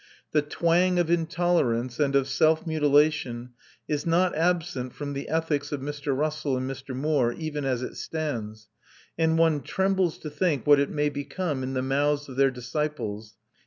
The twang of intolerance and of self mutilation is not absent from the ethics of Mr. Russell and Mr. Moore, even as it stands; and one trembles to think what it may become in the mouths of their disciples.